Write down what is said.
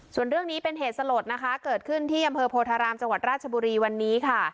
ส่วนเรื่องนี้เป็นเหตุสลดนะคะเกิดขึ้นที่อำเภอโพธารามจังหวัดราชบุรีวันนี้ค่ะ